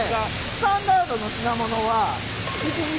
スタンダードな品物は１時間。